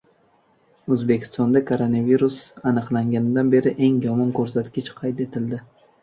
O‘zbekistonda koronavirus aniqlanganidan beri eng yomon ko‘rsatkich qayd etildi